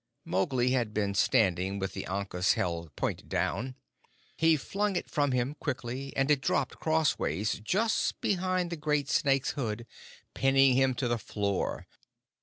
Mowgli had been standing with the ankus held point down. He flung it from him quickly, and it dropped crossways just behind the great snake's hood, pinning him to the floor.